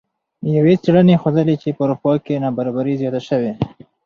یوې څیړنې ښودلې چې په اروپا کې نابرابري زیاته شوې